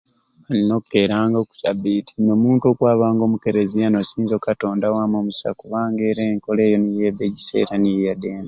Nina okukeeranga okusabiti nomuntu okwabanga omukereziya nasinzanga okatonda wamwei omusai kubanga era enkola eyo niyo ebba jisai era niyo eyadembe.